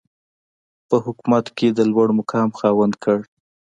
په حکومت کې د لوړمقام خاوند کړ.